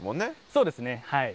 そうですねはい。